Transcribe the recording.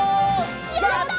やった！